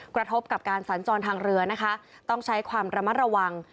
กระทบกับการสัญจรทางเรือนะคะต้องใช้ความระมัดระวัง